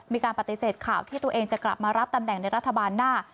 มีการปฏิเสธข่าวที่ตัวเองจะกลับมารับตำแหน่งในรัฐบาลหน้า